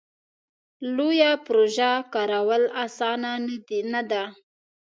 لویه پروژه کارول اسانه نه ده.